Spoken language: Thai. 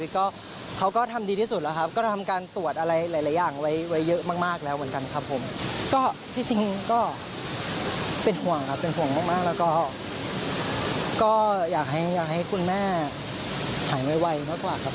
ก็อยากให้คุณแม่หายไวมากกว่าครับ